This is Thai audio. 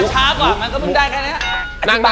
ช้ากว่ามันก็เคยมันได้ก่อนเนี่ยนั่งนั่งนั่งมา